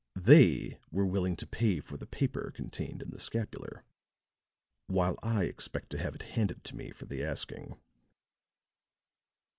They were willing to pay for the paper contained in the scapular; while I expect to have it handed to me for the asking."